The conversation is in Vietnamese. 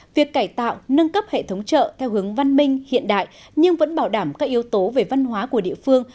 việc cải tạo nâng cấp hệ thống chợ theo hướng văn minh hiện đại nhưng vẫn bảo đảm các yếu tố về văn hóa của địa phương